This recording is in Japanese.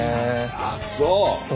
あっそう。